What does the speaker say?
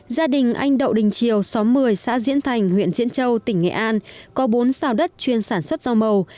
gia đình anh đậu đình triều xóm một mươi xã diễn thành huyện diễn châu tỉnh nghệ an có bốn xào đất chuyên sản xuất rau màu